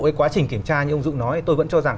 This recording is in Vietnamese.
với quá trình kiểm tra như ông dũng nói tôi vẫn cho rằng